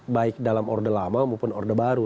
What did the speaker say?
baik dalam orde lama maupun orde baru